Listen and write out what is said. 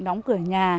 đóng cửa nhà